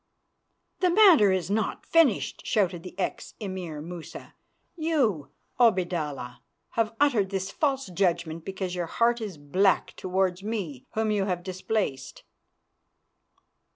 "The matter is not finished," shouted the ex Emir Musa. "You, Obaidallah, have uttered this false judgment because your heart is black towards me whom you have displaced."